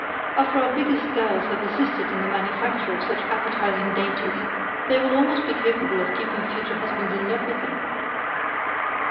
After our biggest girls have assisted in the manufacture of such appetizing dainties, they will almost be capable of keeping future husbands in love with them.